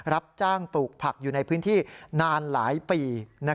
รับจ้างปลูกผักอยู่ในพื้นที่นานหลายปี